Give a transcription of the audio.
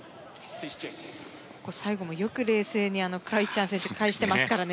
最後も、よく冷静にカ・イチハン選手返してますからね。